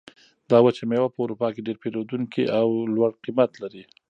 دا وچه مېوه په اروپا کې ډېر پېرودونکي او لوړ قیمت لري.